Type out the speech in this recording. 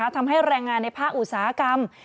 ทำให้แรงงานในภาคอุตสาหกรรม